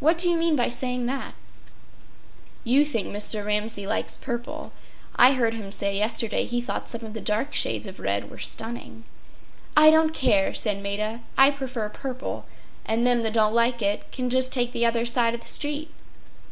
What do you mean by saying that?” “You think Mr. Ramsay likes purple. I heard him say yesterday he thought some of the dark shades of red were stunning.” “I don’t care,” said Maida. “I prefer purple, and them that don’t like it can just take the other side of the street.